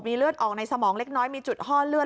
เลือดออกในสมองเล็กน้อยมีจุดห้อเลือด